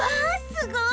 すごい！